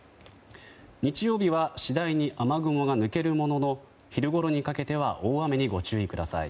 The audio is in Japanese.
日曜日は次第に雨雲が抜けるものの昼頃にかけては大雨にご注意ください。